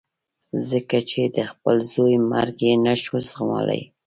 ځکه چې د خپل زوی مرګ یې نه شو زغملای.